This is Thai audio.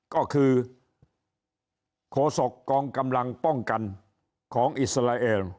ก็คือโคศกกองกำลังป้องกันของอิสราเอล